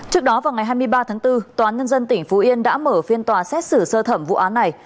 trước đó vào ngày hai mươi ba tháng bốn tòa án nhân dân tỉnh phú yên đã mở phiên tòa xét xử sơ thẩm vụ án này